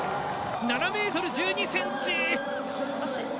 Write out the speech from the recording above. ７ｍ１２ｃｍ。